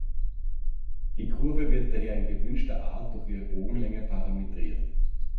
Die Kurve wird daher in gewünschter Art durch ihre Bogenlänge parametriert.